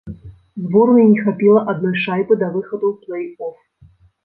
Зборнай не хапіла адной шайбы да выхаду ў плэй-оф.